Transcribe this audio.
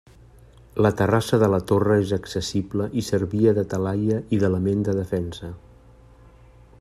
La terrassa de la torre és accessible i servia de talaia i d'element de defensa.